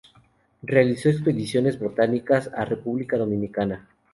Realizó expediciones botánicas a República Dominicana